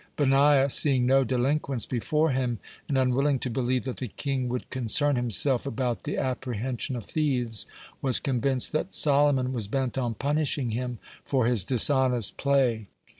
Benaiah, seeing no delinquents before him, and unwilling to believe that the king would concern himself about the apprehension of thieves, was convinced that Solomon was bent on punishing him for his dishonest play.